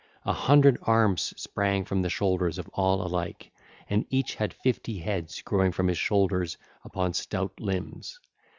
An hundred arms sprang from the shoulders of all alike, and each had fifty heads growing upon his shoulders upon stout limbs.